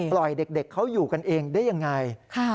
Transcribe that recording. เด็กเขาอยู่กันเองได้ยังไง